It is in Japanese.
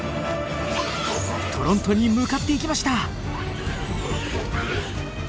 トロントに向かっていきました！